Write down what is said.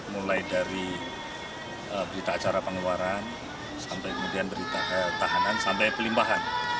mulai dari berita acara pengeluaran sampai kemudian berita tahanan sampai pelimpahan